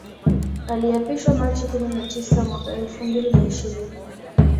Aliapishwa Machi kumi na tisa mwaka elfu mbili na ishirini